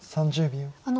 ３０秒。